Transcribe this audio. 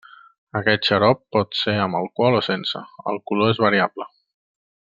Aquest xarop pot ser amb alcohol o sense; el color és variable.